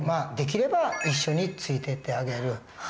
できれば一緒についてってあげる。